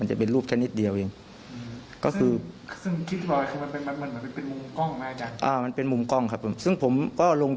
จะเป็นรูปแค่นิดเดียวเอง